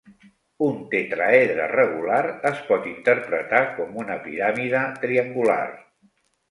Un tetràedre regular es pot interpretar com una piràmide triangular.